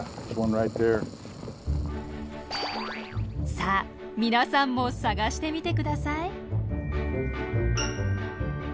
さあ皆さんも探してみて下さい。